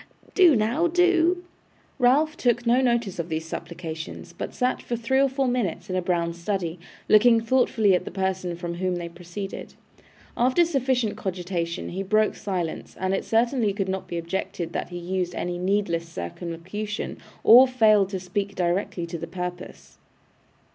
Do now, do.' Ralph took no notice of these supplications, but sat for three or four minutes in a brown study, looking thoughtfully at the person from whom they proceeded. After sufficient cogitation he broke silence, and it certainly could not be objected that he used any needless circumlocution, or failed to speak directly to the purpose.